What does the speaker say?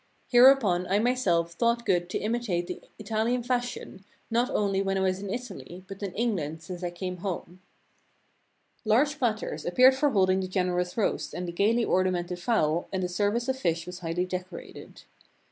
Hereupon I myself thought good to imi "tate the Italian fashion not only when I was in Italy but in "England since I came home." Large [2 5 ] Large platters appeared for holding the generous roasts and the gaily ornamented fowl and the ser vice of fish was highly decorated.